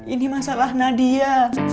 ini masalah nadia